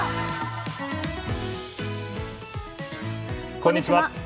こんにちは。